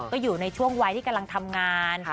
ก็อยู่ในช่วงวัยที่กำลังทำงาน